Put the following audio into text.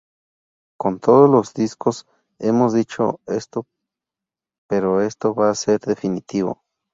Con todos los discos hemos dicho esto pero esto va a ser definitivo.